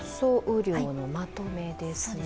雨量のまとめですね。